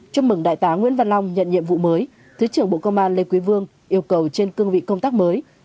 chúc mừng đại tá nguyễn văn long nhận nhiệm vụ mới thứ trưởng bộ công an lê quý vương yêu cầu trên cương vị công tác mới